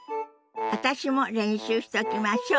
私も練習しときましょ。